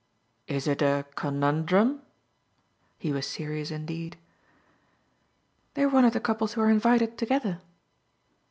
"Is it a conundrum?" He was serious indeed. "They're one of the couples who are invited together."